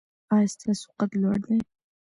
ایا ستاسو قد لوړ دی؟